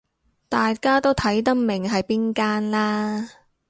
大家都睇得明係邊間啦